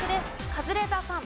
カズレーザーさん。